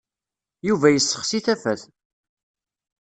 Yuba yessexsi tafat.